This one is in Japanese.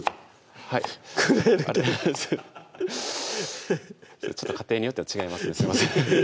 はい家庭によっては違いますねすいません